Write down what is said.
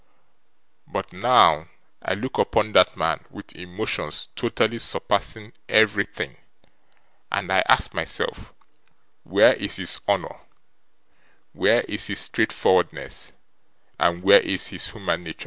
But, now, I look upon that man with emotions totally surpassing everythink, and I ask myself where is his Honour, where is his straight for'ardness, and where is his human natur?